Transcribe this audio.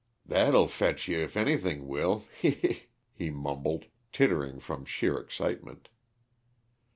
"That'll fetch ye if anything will he he!" he mumbled, tittering from sheer excitement.